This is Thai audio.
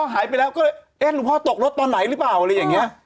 หายไปแล้วก็เลยเอ๊ะหลวงพ่อตกรถตอนไหนหรือเปล่าอะไรอย่างนี้